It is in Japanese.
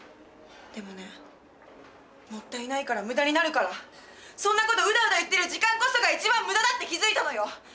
でもねもったいないから無駄になるからそんな事ウダウダ言ってる時間こそが一番無駄だって気付いたのよ！